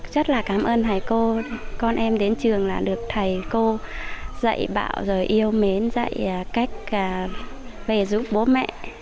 rất là cảm ơn thầy cô con em đến trường là được thầy cô dạy bảo rồi yêu mến dạy cách về giúp bố mẹ